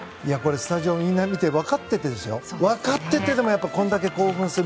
スタジオでみんな見て分かっていてでもこれだけ興奮する。